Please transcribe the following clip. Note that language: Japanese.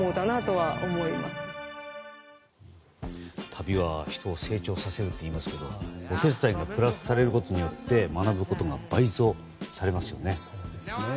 旅は人を成長させるといいますけどお手伝いがプラスされることによって学ぶことが倍増されますよね。